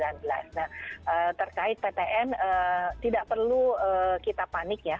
nah terkait ptn tidak perlu kita panik ya